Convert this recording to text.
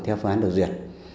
theo phương án đột duyệt